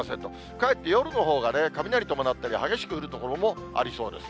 かえって夜のほうが雷伴ったり、激しく降る所もありそうです。